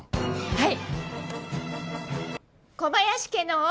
はい。